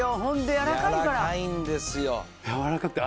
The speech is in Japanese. やわらかいんですよ。